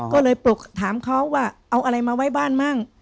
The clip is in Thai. ก็เลยปลุกถามเขาว่าเอาอะไรมาไว้บ้านมั่ง